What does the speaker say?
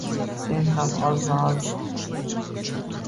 Sen ham ozma-oz